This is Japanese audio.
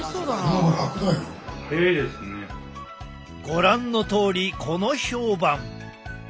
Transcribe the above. ご覧のとおりこの評判！